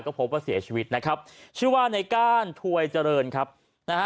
ก็พบว่าเสียชีวิตนะครับชื่อว่าในก้านถวยเจริญครับนะฮะ